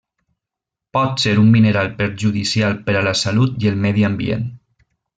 Pot ser un mineral perjudicial per a la salut i el medi ambient.